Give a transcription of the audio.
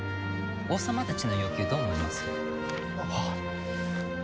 王様たちの要求どう思います？